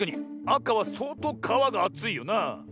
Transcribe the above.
あかはそうとうかわがあついよなあ。